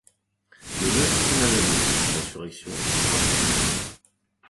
L'émeute, c'est Masaniello; l'insurrection, c'est Spartacus.